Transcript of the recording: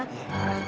duduk duduk duduk